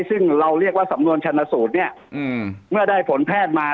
ซึ่งเราเรียกว่าสำนวนชันสูตรเนี่ยเมื่อได้ผลแพทย์มา